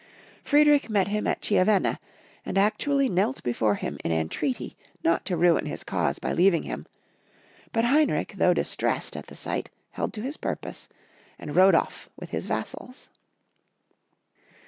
Friedrich met him at Chiavenna, and actually knelt before him in entreaty not to ruin his cause by leaving him, but Heinrich, though distressed at the sight, held to his purpose, and rode off with his vassals.